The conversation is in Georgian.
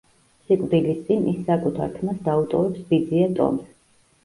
სიკვდილის წინ ის საკუთარ თმას დაუტოვებს ბიძია ტომს.